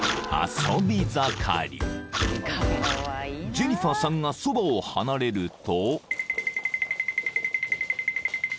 ［ジェニファーさんがそばを離れると］